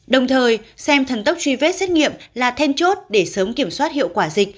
đồng thời xem thần tốc truy vết xét nghiệm là then chốt để sớm kiểm soát hiệu quả dịch